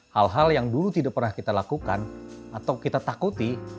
hal hal yang dulu tidak pernah kita lakukan atau kita takuti